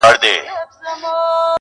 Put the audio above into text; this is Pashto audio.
هغو ښځو نه نیکمرغه یې،